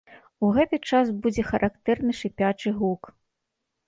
У гэты час будзе характэрны шыпячы гук.